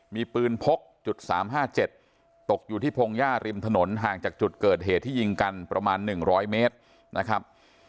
มีปืนพกจุด๓๕๗ตกอยู่ที่พงหญ้าริมถนนห่างจากจุดเกิดเหตุที่ยิงกันประมาณ๑๐๐เมตรนะครับ